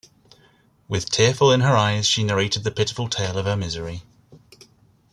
With tearful in her eyes she narrated the pitiful tale of her misery.